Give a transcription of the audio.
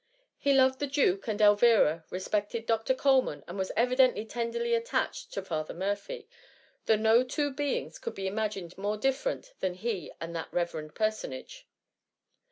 He loved the duke and Elvira, respected Doctor Coleman, and was evidently tenderly attached to Father Murphy^ though no two beings could be imagined more different than he and that reverend personage.